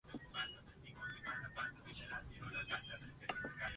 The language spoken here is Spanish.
Why don't you leave your name and your number?